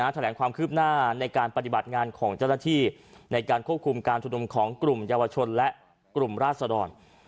แถลงความคืบหน้าในการปฏิบัติงานของเจ้าหน้าที่ในการควบคุมการชุมนุมของกลุ่มเยาวชนและกลุ่มราศดร